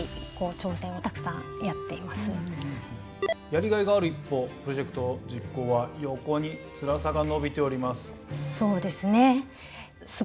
やりがいがある一方プロジェクト実行は横につらさがのびております。